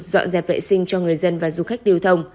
dọn dẹp vệ sinh cho người dân và du khách điều thông